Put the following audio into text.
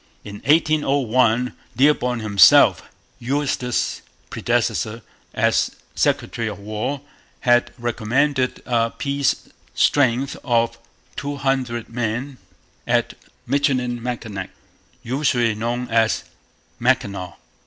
In 1801 Dearborn himself, Eustis's predecessor as Secretary of War, had recommended a peace strength of two hundred men at Michilimackinac, usually known as 'Mackinaw.'